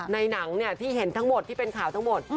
ในหนังที่เห็นทั้งหมดที่เป็นข่าวทั้งหมด